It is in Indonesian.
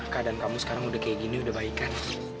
keadaan kamu sekarang udah kayak gini udah baik kan